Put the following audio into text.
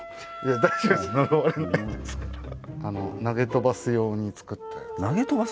投げ飛ばす用に作ったやつ。